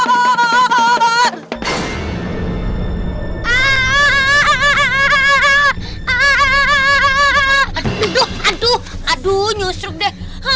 aduh aduh aduh aduh nyusruk deh